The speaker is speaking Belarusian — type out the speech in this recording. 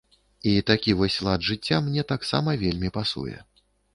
І такі вось лад жыцця мне таксама вельмі пасуе.